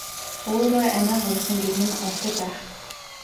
Өөрөө амиа хорлосон гэдэг нь ортой байх.